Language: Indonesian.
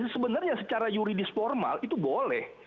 sebenarnya secara yuridis formal itu boleh